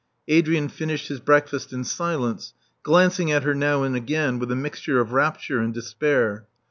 Adrian finished his breakfast in silence, glancing at her now and again with a mixture of rapture and despair.